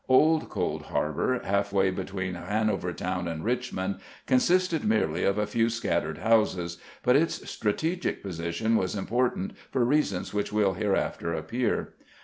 Old Cold Harbor, half way between Han overtown and Richmond, consisted merely of a few scattered houses ; but its strategic position was impor tant for reasons which will hereafter appear.